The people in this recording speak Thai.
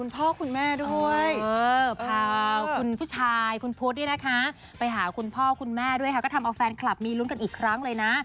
พาช่ายคุณพุธนะคะไปหาคุณพ่อคุณแม่ด้วยก็ทำเอาแฟนคลับมีรุนกันอีกครั้งเลยนะ